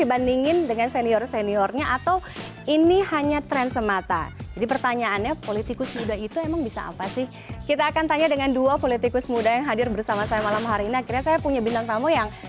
berita terkini dari kpum